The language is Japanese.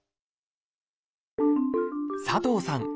佐藤さん